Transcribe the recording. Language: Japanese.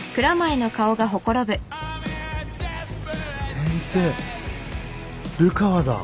先生流川だ。